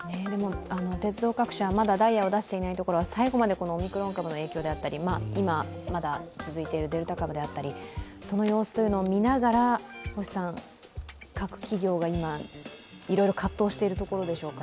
鉄道各社はまだダイヤを出していないところは最後まで、オミクロン株の影響であったり今、続いているデルタ株であったり、その様子を見ながら、各企業が今、いろいろ葛藤しているところでしょうか。